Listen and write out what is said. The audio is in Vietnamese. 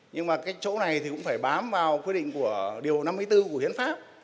nhưng mà cái chỗ này thì cũng phải bám vào quy định của điều năm mươi bốn của hiến pháp